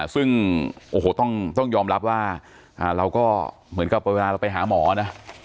ซึ่งโอ้โหต้องยอมรับว่าเราก็เหมือนกับเวลาเราไปหาหมอนะ